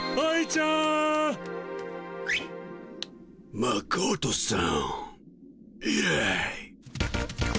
マコトさん。